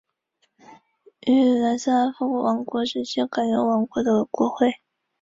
玉山考棚于清乾隆五十七年知县张兼山在旧址重建。